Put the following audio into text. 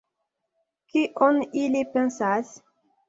Kion ili pensas?